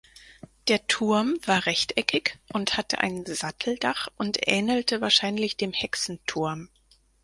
Der Turm war rechteckig und hatte ein Satteldach und ähnelte wahrscheinlich dem Hexenturm.